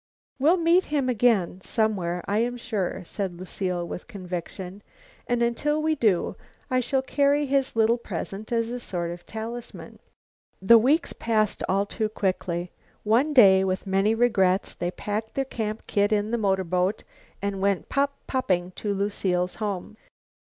"We'll meet him again somewhere, I am sure," said Lucile with conviction, "and until we do, I shall carry his little present as a sort of talisman." The weeks passed all too quickly. One day, with many regrets, they packed their camp kit in the motorboat and went pop popping to Lucile's home.